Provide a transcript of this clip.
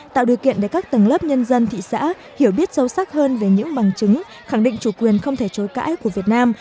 tạo điều kiện để các tầng lớp nhân dân thị xã hiểu biết sâu sắc hơn về những bằng chứng khẳng định chủ quyền không thể chối cãi của việt nam